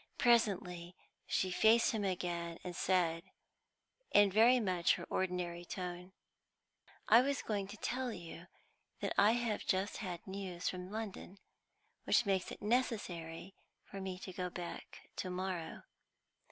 Presently, she faced him again, and said, in very much her ordinary tone "I was going to tell you that I have just had news from London, which makes it necessary for me to go back to morrow.